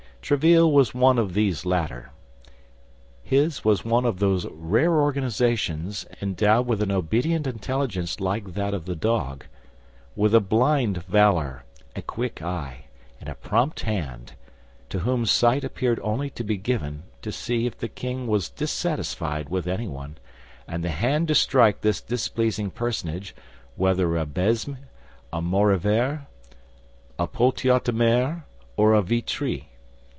Tréville was one of these latter. His was one of those rare organizations, endowed with an obedient intelligence like that of the dog; with a blind valor, a quick eye, and a prompt hand; to whom sight appeared only to be given to see if the king were dissatisfied with anyone, and the hand to strike this displeasing personage, whether a Besme, a Maurevers, a Poltiot de Méré, or a Vitry.